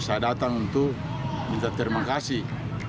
saya datang untuk minta terima kasih